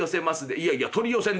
「いやいや取り寄せんで」。